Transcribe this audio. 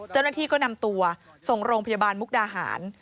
เจ้าหน้าที่ก็นำตัวส่งโรงพยาบาลมุกดาหาร